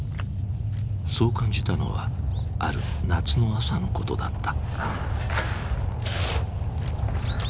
そう感じたのはある夏の朝のことだった。